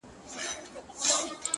سم ليونى سوم!